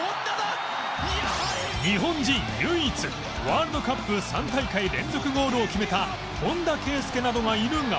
日本人唯一ワールドカップ３大会連続ゴールを決めた本田圭佑などがいるが